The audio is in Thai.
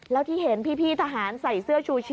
แล้วที่เห็นพี่ทหารใส่เสื้อชูชี